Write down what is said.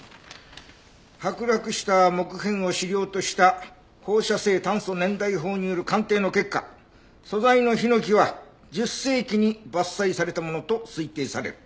「剥落した木片を試料とした放射性炭素年代法による鑑定の結果素材のヒノキは１０世紀に伐採されたものと推定される」